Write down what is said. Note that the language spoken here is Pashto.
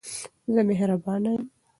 زه مهربانه یم.